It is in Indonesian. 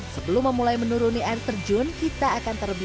sebelum memulai menuruni air terjun kita akan terburu